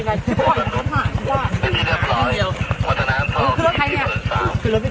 นี่นี่ครับพ่อใครนี่